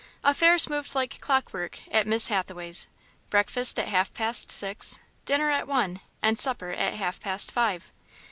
Affairs moved like clock work at Miss Hathaway's breakfast at half past six, dinner at one, and supper at half past five.